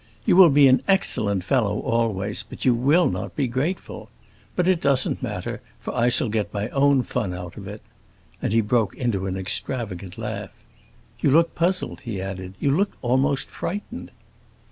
You will be an excellent fellow always, but you will not be grateful. But it doesn't matter, for I shall get my own fun out of it." And he broke into an extravagant laugh. "You look puzzled," he added; "you look almost frightened."